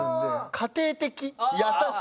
家庭的優しい的な。